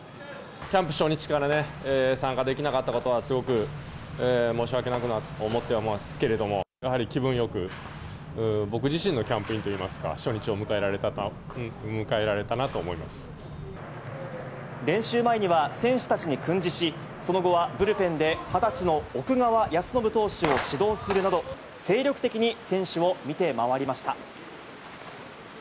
キャンプ初日からね、参加できなかったことはすごく申し訳なく思ってますけれども、やはり気分よく、僕自身のキャンプインといいますか、初日を迎えられたなと思いま練習前には選手たちに訓示し、その後はブルペンで２０歳の奥川恭伸投手を指導するなど、精力的に選手を見て回りました。